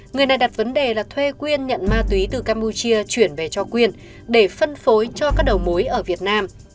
người này đặt vấn đề là thuê quyên nhận ma túy từ campuchia chuyển về cho quyên để phân phối cho các đầu mối ở việt nam